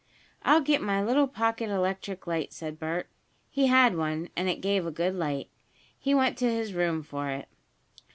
"I'll get my little pocket electric light," said Bert. He had one, and it gave a good light. He went to his room for it.